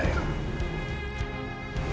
abi dendam sama saya